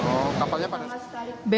oh kapalnya pada